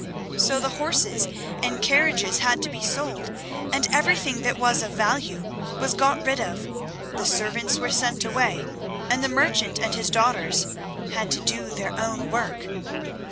So the horses and carriages had to be sold, and everything that was of value was got rid of, the servants were sent away, and the merchant and his daughters had to do their own work.